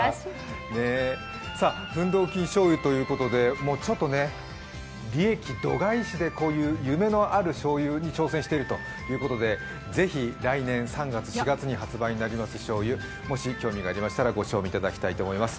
フンドーキンしょうゆということで利益度外視で、こういう夢のあるしょうゆに挑戦しているということでぜひ、来年３月、４月に発売になりますしょうゆ、もし興味がありましたらご賞味いただきたいと思います。